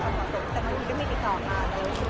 พี่เอ็มเค้าเป็นระบองโรงงานหรือเปลี่ยนไงครับ